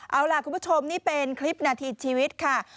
เอาล่ะคุณผู้ชมนี่เป็นคลิปนาทีชีวิตค่ะ